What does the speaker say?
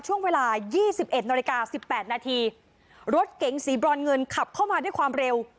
ช่วงเวลา๒๑๑๘นรถเก๋งสีบรอนเงินขับเข้ามาด้วยความเร็ว